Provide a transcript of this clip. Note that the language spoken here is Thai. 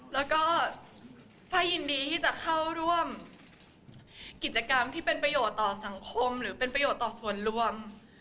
แล้วก็ถ้ายินดีที่จะเข้าร่วมกิจกรรมที่เป็นประโยชน์ต่อสังคมหรือเป็นประโยชน์ต่อส่วนรวม